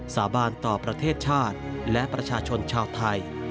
สาบานต่อประเทศชาติและประชาชนชาวไทย